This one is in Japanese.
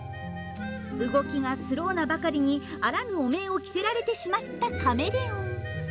動きがスローなばかりにあらぬ汚名を着せられてしまったカメレオン。